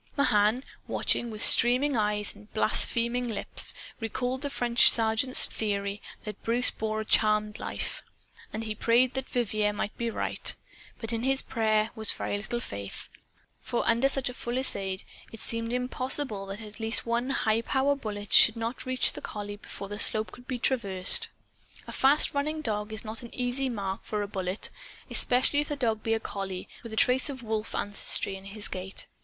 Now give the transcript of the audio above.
Mahan, watching, with streaming eyes and blaspheming lips, recalled the French sergeant's theory that Bruce bore a charmed life. And he prayed that Vivier might be right. But in his prayer was very little faith. For under such a fusillade it seemed impossible that at least one highpower bullet should not reach the collie before the slope could be traversed. A fast running dog is not an easy mark for a bullet especially if the dog be a collie, with a trace of wolf ancestry in his gait.